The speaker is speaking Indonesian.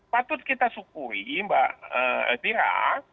patut kita syukuri mbak elvira